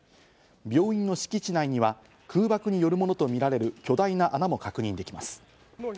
病院の敷地内には空爆によるものとみられる巨大な穴も確認できます。